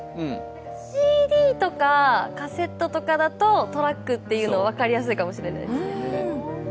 ＣＤとかカセットだと、トラックというのが分かりやすいかもしれません。